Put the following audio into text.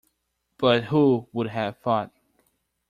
But who would have thought?